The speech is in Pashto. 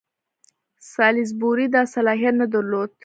سالیزبوري دا صلاحیت نه درلود.